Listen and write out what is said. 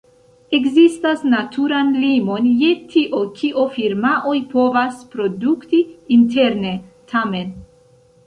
Ekzistas naturan limon je tio kio firmaoj povas produkti interne, tamen.